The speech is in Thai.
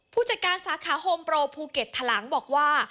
ผู้จัดการสาขาโฮมโปรภูเก็ตถลังบอกว่า